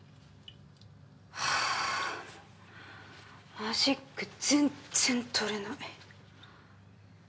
マジック全然取れない。